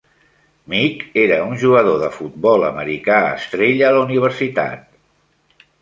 Meek era un jugador de futbol americà estrella a la universitat.